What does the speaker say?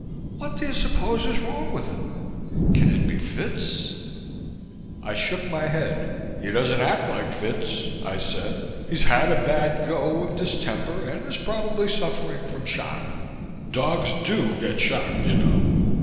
What do you suppose is wrong with him. Can it be fits?" I shook my head. "He doesn't act like fits," I said. "He's had a bad go of distemper and is probably suffering from shock. Dogs do get shock, you know.